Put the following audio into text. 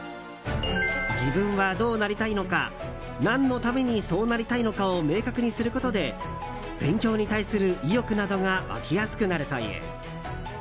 自分はどうなりたいのか何のためにそうなりたいのかを明確にすることで勉強に対する意欲などが湧きやすくなるという。